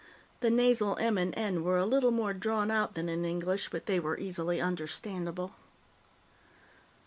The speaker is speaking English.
The nasal _M__ and N were a little more drawn out than in English, but they were easily understandable.